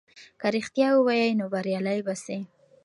که رښتیا ووایې نو بریالی به سې.